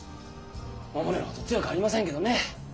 守れるほど強かありませんけどね。